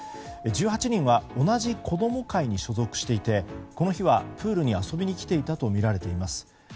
１８人は同じ子ども会に所属していてこの日はプールに遊びに来ていたとみられています。